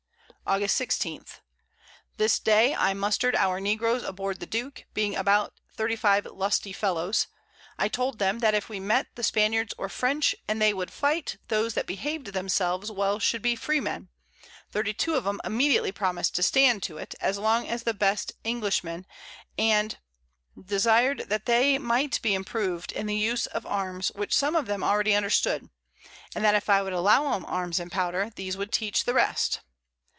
August 16. This Day I muster'd our Negroes aboard the Duke, being about 35 lusty Fellows; I told them, That if we met the Spaniards or French, and they would fight, those that behav'd themselves well should be free Men; 32 of 'em immediately promis'd to stand to it, as long as the best Englishman, and desired they might be improv'd in the Use of Arms, which some of them already understood; and that if I would allow 'em Arms and Powder, these would teach the rest.